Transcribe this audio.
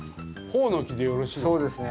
ホオの木でよろしいですか。